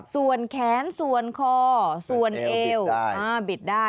ส่วนแขนส่วนคอส่วนเอวบิดได้